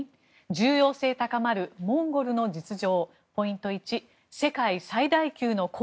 重要性高まるモンゴルの実情。